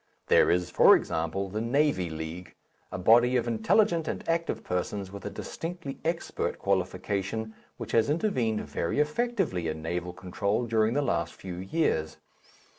There is, for example, the Navy League, a body of intelligent and active persons with a distinctly expert qualification which has intervened very effectively in naval control during the last few years.